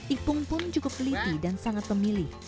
ipung pun cukup teliti dan sangat pemilih